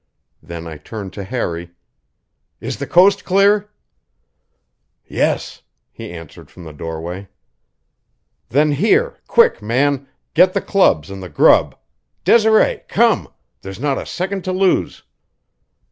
Then I turned to Harry: "Is the coast clear?" "Yes," he answered from the doorway. "Then here quick, man! Get the clubs and the grub. Desiree come! There's not a second to lose."